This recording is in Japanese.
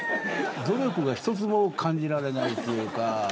努力が一つも感じられないというか。